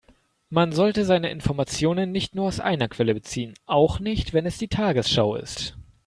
Man sollte seine Informationen nicht nur aus einer Quelle beziehen, auch nicht wenn es die Tagesschau ist.